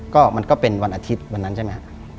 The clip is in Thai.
ก็มันก็เป็นวันอาทิตย์วันนั้นใช่ไหมครับ